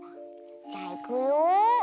じゃいくよ！